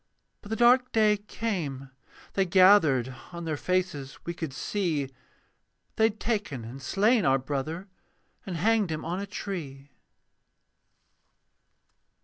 But the dark day came: they gathered: On their faces we could see They had taken and slain our brother, And hanged him on a tree.